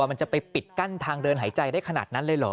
มันจะไปปิดกั้นทางเดินหายใจได้ขนาดนั้นเลยเหรอ